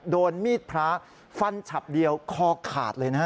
โดนมีดพระฟันฉับเดียวคอขาดเลยนะฮะ